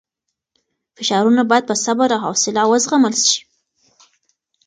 فشارونه باید په صبر او حوصله وزغمل شي.